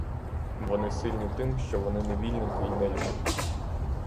Вони сильні тим, що вони невільники й нелюди.